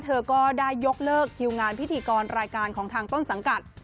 เธอก็ได้ยกเลิกคิวงานพิธีกรรายการของทางต้นสังกัด